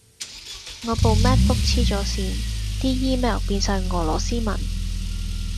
我部 MacBook 痴咗線，啲 email 變晒俄羅斯文